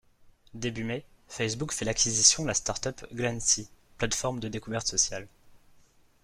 Début mai, Facebook fait l'acquisition la start-up Glancee, plateforme de découverte sociale.